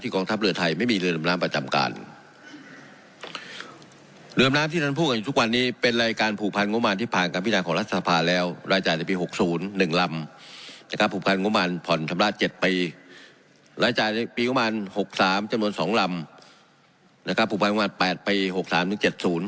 ที่กองทัพเรือไทยไม่มีเรือลำน้ำประจำการ